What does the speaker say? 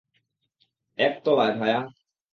এক তলায়, ভায়া।